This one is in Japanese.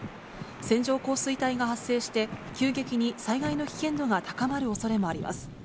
線状降水帯が発生して、急激に災害の危険度が高まるおそれもあります。